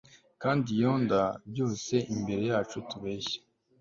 kandi yonder byose imbere yacu tubeshya